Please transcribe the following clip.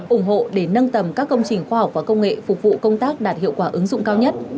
ủng hộ để nâng tầm các công trình khoa học và công nghệ phục vụ công tác đạt hiệu quả ứng dụng cao nhất